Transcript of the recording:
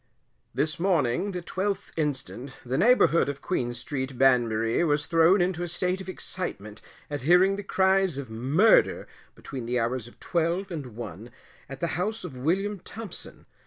This morning, the 12th inst., the neighbourhood of Queen st., Banbury, was thrown into a state of excitement at hearing the cries of murder between the hours of 12 and 1, at the house of Wm. Thompson.